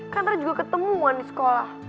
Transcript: kan nanti juga ketemuan di sekolah